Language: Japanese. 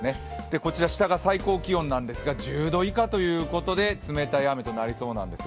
こちら、下が最高気温なんですが１０度以下ということで冷たい雨となりそうなんですよ。